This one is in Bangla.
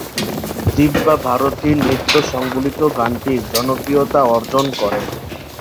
দিব্যা ভারতীর নৃত্য সংবলিত গানটি জনপ্রিয়তা অর্জন করে।